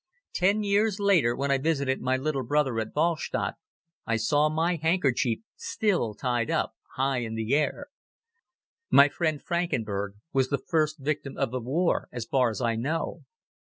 Ten years later, when I visited my little brother at Wahlstatt, I saw my handkerchief still tied up high in the air. My friend Frankenberg was the first victim of the war as far as I know.